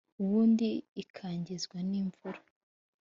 ubundi ikangizwa n’imvura